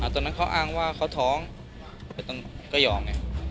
ตอนนั้นเขาอ้างว่าเขาท้องไปตรงกระหย่อไง